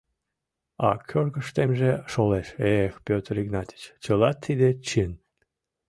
А кӧргыштемже шолеш: «Эх, Пётр Игнатич, чыла тиде чын.